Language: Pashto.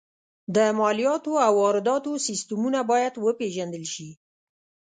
د مالیاتو او وارداتو سیستمونه باید وپېژندل شي